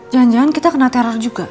jangan jangan kita kena teror juga